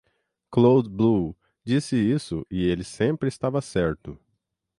Cloud-Blue disse isso e ele sempre estava certo.